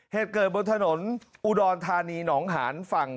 เหตุเกิดบนถนนอุดรธานีหนองหานฝั่ง